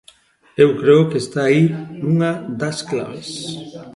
Eu creo que está aí unha das claves.